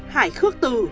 hải khước từ